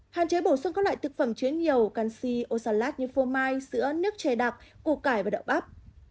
hạn chế bổ sung các loại thực phẩm chứa nhiều canxi osalat như phô mai sữa nước chè đặc củ cải và đậu bắp